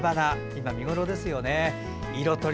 今、見頃ですよね。